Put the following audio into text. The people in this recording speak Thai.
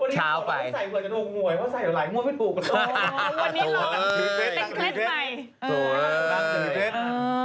เช้าไป